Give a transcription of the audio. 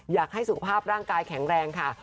อยากให้สุขภาพร่างกายแข็งแรงค่ะ